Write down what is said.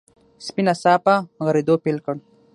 سپي ناڅاپه غريدو پيل کړ.